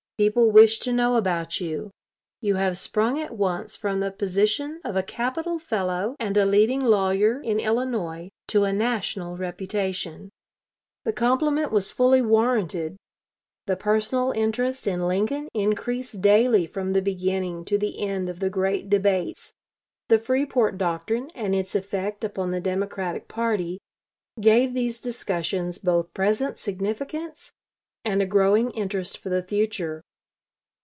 People wish to know about you. You have sprung at once from the position of a capital fellow, and a leading lawyer in Illinois, to a national reputation." [Illustration: DAVID COLBRETH BRODERICK.] David Davis to Lincoln, Nov. 7, 1858. MS. The compliment was fully warranted; the personal interest in Lincoln increased daily from the beginning to the end of the great debates. The Freeport doctrine and its effect upon the Democratic party gave these discussions both present significance and a growing interest for the future.